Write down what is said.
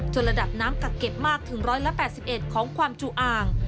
ระดับน้ำกักเก็บมากถึง๑๘๑ของความจุอ่าง